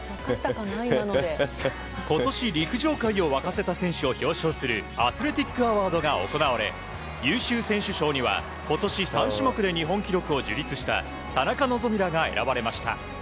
今年、陸上界を沸かせた選手を表彰するアスレティックアワードが行われ優秀選手賞には今年３種目で日本記録を樹立した田中希実らが選ばれました。